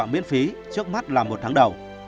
miễn phí trước mắt làm một tháng đầu